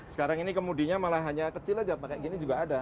sekarang ini kemudinya malah hanya kecil aja pakai gini juga ada